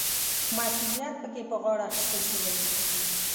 مسوولیت پکې په غاړه اخیستل شوی وي.